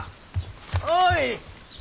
おい！